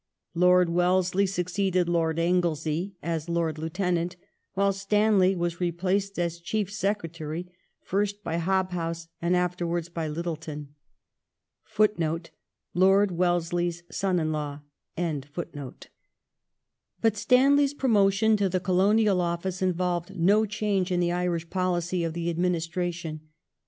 Lord Wellesley succeeded Lord Anglesey as Lord Lieutenant, while Stanley was replaced as Chief Secretary, fii st by Hobhouse and after wards by Littleton.^ But Stanley's promotion to the Colonial Office involved no change in the Irish policy of the administration.